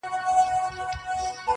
خو ځينې دودونه پاتې وي تل,